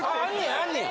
あんねや！